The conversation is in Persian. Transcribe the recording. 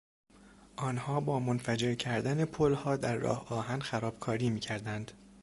آنها با منفجر کردن پلها در راهآهن خرابکاری میکردند.